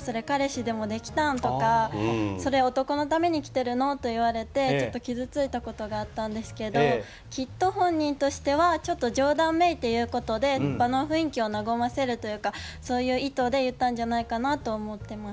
それ彼氏でもできたん？」とか「それ男のために着てるの？」と言われてちょっと傷ついたことがあったんですけどきっと本人としてはちょっと冗談めいて言うことで場の雰囲気を和ませるというかそういう意図で言ったんじゃないかなと思ってます。